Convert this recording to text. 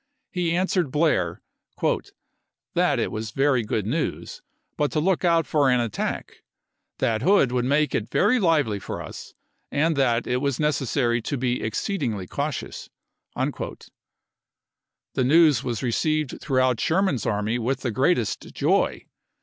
He answered Blair " that it was very good news, but to look out for an attack ; that Hood would make it very lively for us, and that it was necessary to be exceedingly cautious." The news was received throughout Sherman's army with the greatest joy.